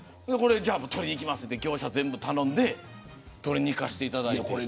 取りに行きますと言って業者を頼んで取りに行かせていただいて。